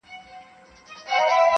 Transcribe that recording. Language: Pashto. بېګانه سي له وطنه له خپلوانو -